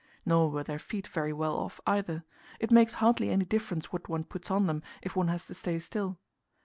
Nor were their feet very well off either; it makes hardly any difference what one puts on them if one has to stay still.